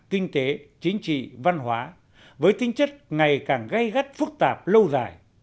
kinh tế chính trị văn hóa với tính chất ngày càng gây gắt phức tạp lâu dài